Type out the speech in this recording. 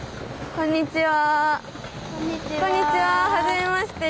こんにちは。